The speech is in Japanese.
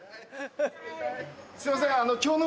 すいませんあの。